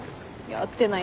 会ってない。